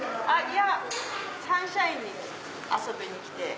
サンシャインに遊びに来て。